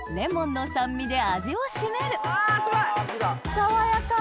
爽やか！